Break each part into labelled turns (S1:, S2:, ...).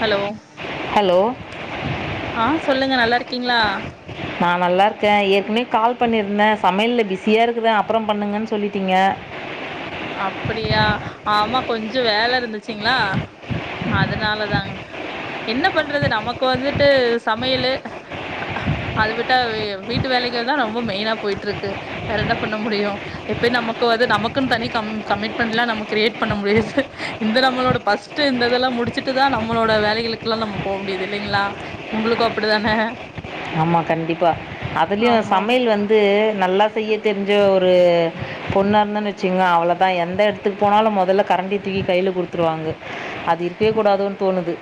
S1: hello ஆஹ் சொல்லுங்க நல்லா இருக் கிங்களா
S2: நா நல்லா இருக்க ஏற்கனவே கால் பண்ணிருந்த சமையல்ல பிஸியா இருக்குற அப்ரோ பண்ணுங்கன்னு சொல்லிட்டீங்க
S1: அப்படியா ஆமா கொஞ்சோ வேல இருந்துச்சிங்களா அதனாலதா என்ன பண்றது நமக்கு வந்துட்டு சமையலு அது விட்டா வே வீட்டு வேலைக்குதா ரொம்ப மெயினா போயிட்டு இருக்கு வேற என்ன பண்ண முடியு எப்பய நமக்குவது நமக்குன்னு தனி கம் கமிட்மெண்ட்லா நம்ம கிரியேட் பண்ண முடியாது இந்த நம்மளோட பர்ஸ்ட் இந்த இதெல்லா முடிச்சுட்டுதா நம்மளோட வேலைகளுக்குல்லா நம்ம போக முடியது இல்லைங்களா உங்களுக்கு அப்படித்தானே
S2: ஆமா கண்டிப்பா அதுலயு சமையல் வந்து நல்லா செய்ய தெரிஞ்ச ஒரு பொண்ண இருந்தன்னு வச்சுங்க அவ்வளோ எந்த இடத்துக்கு போனாலு முதல்ல கரண்டி தூக்கி கையில கொடுத்துருவாங்க அது தீருக்கவே கூடாதோணுது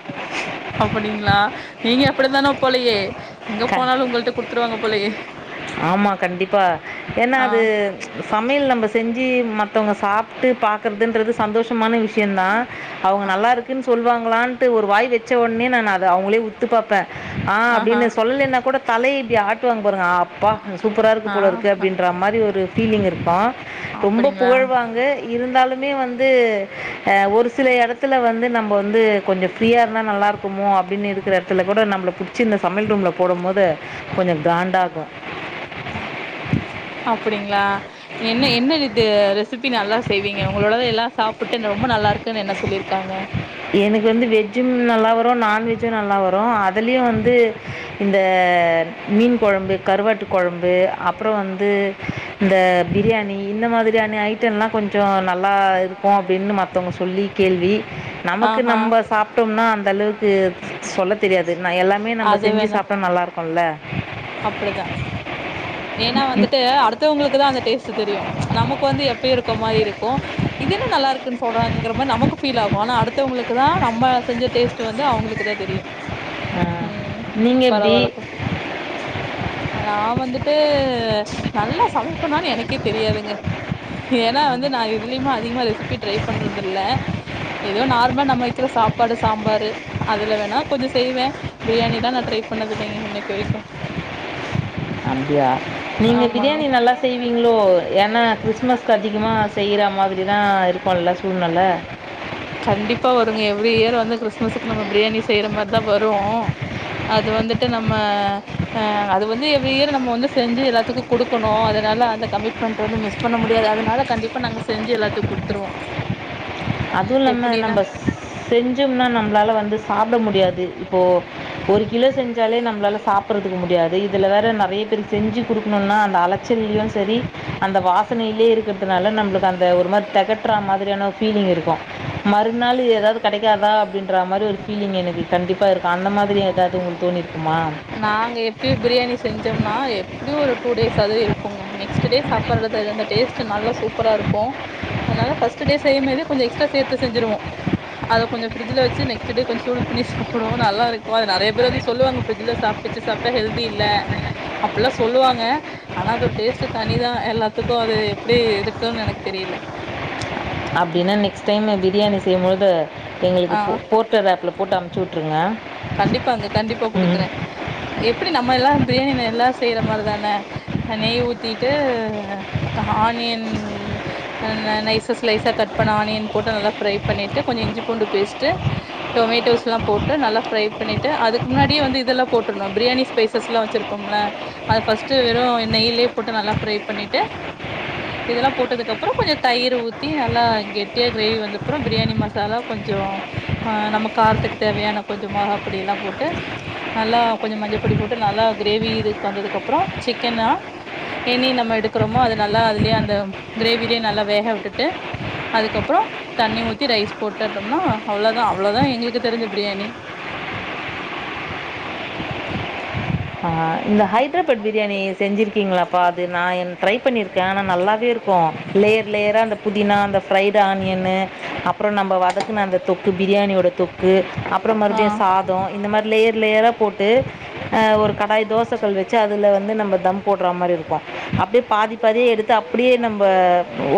S1: அப்டி தான போலையே எங்க போனாலும் உங்கள்ட குடுத்துருவாங்க போலயே
S2: ஆம்மா கண்டிப்பா ஏன்னா அது சமையல் நம்ம செஞ்சு மத் மத்தவங்க சாப்டு பாக்கறதுன்றது சந்தோஷமான விஷயம் தான் அவுங்க நல்லா இருக்குன்னு சொல்லுவாங்களான் சாப்டு ஒரு வாய் வச்ச உடனே நான் அத அவுங்களே உத்து பாப்பேன் ஆஹ் அப்டின்னு சொல்லலன்னா கூட தலைய இப்டி ஆ ட்டுவாங்க பாருங்க அப்பா சூப்பரா இருக்கு போல இருக்கு அப்டின்ற மாரி ஒரு ஃபீலிங் இருக்கும் ரொம்ப புகழ்வாங்க இருந்தாலுமே வந்து ஹ ஒரு சில இடத்துல வந்து நம்ப வந்து கொஞ்சம் ஃப்ரீயாக இருந்தா நல்லாரு க்குமோ அப்டின்னு இருக்கிற இடத்துல கூட நம்மள பிடிச்சி இந்த சமையல் ரூம்ல போடும் போது கொஞ்சம் காண்டாகும்
S1: அஹ் அப்டிங்களா என்ன என்ன இது ரெசிபி நல்லா செய்வீங்க உங்களோடதான் எல்லாம் சாப்புட்டு ரொம்ப நல்லாயிருக்குன்னு என்ன சொல்லியிருக்காங்க
S2: எனக்கு வந்து வெஜ்ஜும் நல்லா வரும் நான்வெ ஜ்ஜும் நல்லா வரும் அதுலயும் வந்து இந்த மீன் கொழம்பு கருவாட்டு கொழம்பு அப்புறம் வந்து இந்த பிரியாணி இந்த மாதிரியான ஐட்டம் எல்லாம் கொஞ்சம் நல்லா இருக்கும் அப்டின்னு மத்தவங்க சொல்லி கேள்வி நமக்கு நம்ப சாப்டோம்னா அந்த அளவுக்கு சொல்ல தெரியாது எல்லாமே நம்ம செஞ்சு சாப்ட நல்லா இருக்கும்ல
S1: ஏன்னா வந்துட்டு அடுத்தவங்களுக்கு அந்த டேஸ்ட் தெரியும் நமக்கு வந்து எப்ப இருக்க மாரி இருக்கும் இது என்ன நல்லா இருக்குன்னு சொலராங்கற மாரி நமக்கு ஃபீல் ஆகும் ஆனா அடுத்தவுங்களுக்கு தான் நம்ம செஞ்ச டேஸ்ட் வந்து அவுங்களுக்குதான் தெரியும் உம் பரவாலப்பா நான் வந்து ட்டு நல்லா சமைப்பணான்னு எனக்கே தெரியாதுங்க ஏன்னா வந்து நான் இதுலயும அதிகமாக ரெசிபி ட்ரை பண்ணுறதில்ல ஏதோ நார்மலா நம்ம வைக்கிற சாப்பாடு சாம்பாரு அதுல வேணா கொஞ்சம் செய்வேன் பிரியாணில்லாம் நான் ட்ரை பண்ணதில்லைங்க இன்னைக்கு வரைக்கு
S2: அப்படியா நீங்கள் பிரியாணி நல்லா செய்வீங்களோ ஏன்னா கிறிஸ்மஸ்க்கு அதிகமாக செய்கிற மாரி தான் இருக்கும்ல சூழ்நெல
S1: கண்டிப்பாக வருங்க எவ்ரி இயர் வந்து கிறிஸ்மஸுக்கு நம்ம பிரியாணி செய்கிற மாரி தான் வரும் அது வந்துட்டு நம்ம அ அது வந்து எவ்ரி இயர் நம்ம வந்து செஞ்சு எல்லாத்துக்கும் கொடுக்கணும் அதனால் அந்த கமிட்மெண்ட் வந்து மிஸ் பண்ண முடியாது அதனால் கண்டிப்பாக நாங்கள் செஞ்சு எல்லாத்துக்கும் கொடுத்துருவோம்
S2: அது வும் இல்லாம நம்ம செஞ்சம்னா நம்மளால வந்து சாப்பிட முடியாது இப்போ ஒரு கிலோ செஞ் சாலே நம்மளால சாப்பிடறக்கு முடியாது இதுல வேற நெறைய பேர்க்கு செஞ்சு குடுக்கணும்னா அந்த அலச்சலேயும் சரி அந்த வாசனையிலேயே இருக்கிறதுனால நம்மளுக்கு அந்த ஒரு மாரி தெகட்ற மாதிரியான ஃபீலிங் இரு க்கும் மறுநாள் ஏதாவது கிடைக்காதா அப்டின்ற மாரி ஒரு ஃபீலிங் எனக்கு கண்டிப்பா ருக்கும் அந்த மாரி ஏதாது உங்களுக்கு தோணி
S1: நாங்க எப்பயும் பிரியாணி செஞ்சோம்னா எப்டியு ஒரு டூ டேசாவது இருக்குங்க நெக்ஸ்டு டே சாப்றது அது அந்தடேஸ்டு நல்லா சூப்பரா இருக்கு அதனால ஃபஸ்டு டே செய்யும் போதே கொஞ்சம் எக்ஸ்ட்ரா சேத்துசெஞ்சுருவோ அத கொஞ்ச ஃப்ரி்ஜ்ல வச்சு நெக்ஸ்டு டே கொஞ்சமன சூடு பண்ணி சாப்டுவோம் நல்லாருக்கும் அது நறைய பேர் வந்து சொல்லுவாங்க ஃப்ரிட்ஜில சாப்பிச்சு சாப்டா ஹெல்தி இல்ல அப்டிலாம் சொல்லுவாங்க ஆனா அது ஒரு டேஸ்ட்டு தனிதான் எல்லாத்துக்கும் அது எப்டி இருக்குதுன்னு எனக்கு தெரில
S2: அப்டின்னா நெக்ஸ்ட் டைம் பிரியாணி செய்யும்பொழுது எங்களுக்கு போ போர்டர் ஆப்ல போட்டு அனுப்சு வுட்ருங்க
S1: கண்டிப்பாங்க கண்டிப்பா குடுக்கற எப்டி நம்ம எல்லாம் பிரியாணினு எல்லா செய்ற மார தான அ நெய் ஊத்தீட்டு அ ஆ ஆ ஆனியன் அ ந நைஸா ஸ்லைஸா கட் பண்ண ஆனியன் போட்டு நல்லா ஃப்ரை பண்ணிட்டு கொஞ்சொ இஞ்சி பூண்டு பேஸ்ட்டு டொமேட்டோஸ்லாம் போட்டு நல்லா ஃ ப்ரை பண்ணிட்டு அதுக்கு முன்னாடியே வந்து இதெல்லா போட்றுணு பிரியாணி ஸ்பைசஸ்லா வெச்சிருப்போம்ல அத ஃபஸ்ட்டு வெறு நெய்லியே போட்டு நல்லா ஃப்ரை பண்ணிட்டு இதெல்லா போட்டதுக்கப்றோ கொஞ்சோ தயிர ஊத்தி நல்லா கெட்டியா கிரேவி வந்தப்பறோ பிரியாணி மசாலா கொஞ்சொ அ நம்ம காரத்துக்கு தேவையான கொஞ்சோ மொளகாப்டியெல்லா போட்டு நல்லா கொஞ்சோ மஞ்ச பொடி போட்டு நல்லா கிரேவி இதுக் வந்ததுக்கப்றோ சிக்கன்னா எனி நம்ம எடுக்றோமோ அது நல்லா அதுலியெ அந்தம் கிரேவிலியே நல்லா வேக விட்டுட்டு அதுக்கப்றோ தண்ணி ஊத்தி ரைஸ் போட்டர்டம்னா அவ்ளதா அவ்ளோதா எங்குளுக்கு தெரிஞ்ச பிரியாணி
S2: இந்த ஹைட்ராபாட் பிரியாணி செஞ்சிருக்கீங்களாப்பா அது நா என் ட்ரை பண்ணிருக்கே ஆனா நல்லாவேருக் க்கு லேயர் லேயரா அந்த புத் தினா அந்த ஃபிரைடு ஆன்யனு அப்புறோ நம்ப வதக் கின் அந்த தொக்கு பிரியாணியோட தொக்கு அப்றோம் மறுப்டியு சாதோ இந்த மார் லேயர் லேயரா போட்டு அ ஒரு கடாய் தோஸ் ச்சக்கல் வெச்சு அதுல வந்து நம்ப தம் போட்றா மாரி இருக்கூ அப்டே பாதி பாதியா எடுத்து அப்டியே நம்ப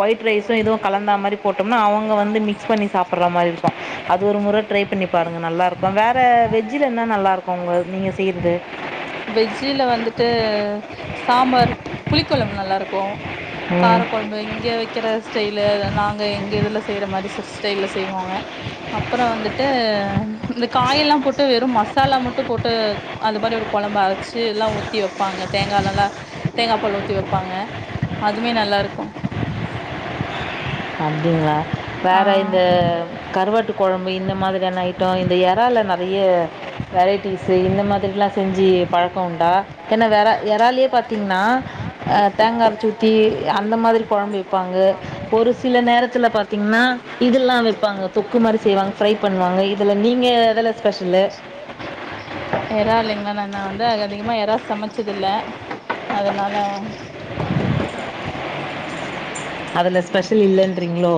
S2: ஒயிட் ரைசு இதுவு கலந்தா மாறி போட்டம்னா அவுங்க வந்து மிக்ஸ் பண்ணி சாப் ண்றா மாரி இருக்கூ அது ஒரு முற ட்ரை பண்ணி பாருங்க நல்லாருக்கு வேற வெஜ்ஜில என்ன நல்லாருக்கூ உங்க வ் நீங்க செய்றது
S1: வெஜ்ஜில வந்துட்டு சாம்பாரு பி ப்ளிக்கொழம்பு நல்லாருக்கோ கார கொழம்பு இங்க வெக்கிறஸ் ஸ்டைலு அது நாங்க எங்க இதுல செய்ற மாரி சஸ் ஸ்டைல்லஸ் செய்வோங்க அப்பறோ வந்துட்டு இந்த காயெல்லாம் போட்டு வெறு மசாலா மட்டு போட்டு அந்த மாரி ஒரு கொழம்பு அச்சு எல்லா ஊத்தி வெப்பாங்க தேங்காலல்லா தேங்கா பால் ஊத்தி வெப்பாங்க அதுமே நல்லாருக்கு
S2: கப்டிங்ளா வேற இந்த கருவாட்டு கொழம் ப்ப இந்த மாதிரியான ஐட்டோ இ ந்த எறால நறைய வெரைட்டீஸ் சேரி இந்த மாதிரில்லா செஞ்சி பழக்கோ உண்டா த்தன வெற எறால்லியே பாத்தீங்னா அ தேங்கா அரச்சு ஊத்தி அந்த மாதிரி கொழம்பு வெப்பாங்க ஒரு ஸ் சில நேரத்துல பாத்திங்ன்னா இதுல்லா வெப்பாங்க தொக்கு மாரி செய்வாங் ஃப்ரை பண்ணுவாங்க இதுல நீங்க எதுல ஸ்பெஷல்லு
S1: நா வந்து அ அதிகமா எறா சமச் ச்சதுல்ல அதுனால
S2: அதல ஸ்பெஷல் இல்லேன்றிங்ளோ